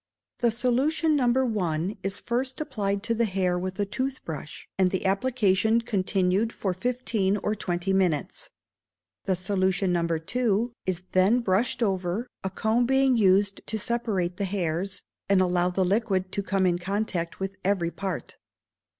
The solution No. i. is first applied to the hair with a tooth brush, and the application continued for fifteen or twenty minutes. The solution No. ii. is then brushed over, a comb being used to separate the hairs, and allow the liquid to come in contact with every part.